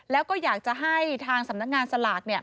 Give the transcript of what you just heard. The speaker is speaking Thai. แล้วก็อยากจะให้ทางสำนักงานสลาก